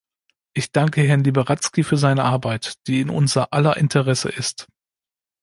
Ich danke Herrn Liberadzki für seine Arbeit, die in unser aller Interesse ist.